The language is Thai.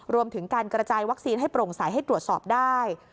รวมถึงการกระจายวัคซีนให้โปร่งใสให้ตรวจสอบได้